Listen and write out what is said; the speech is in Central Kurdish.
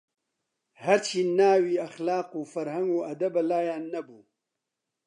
هەرچی ناوی ئەخلاق و فەرهەنگ و ئەدەبە لایان نەبوو